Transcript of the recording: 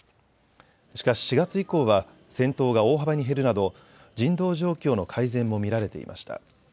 しかし４月以降は戦闘が大幅に減るなど人道状況の改善も見られていました。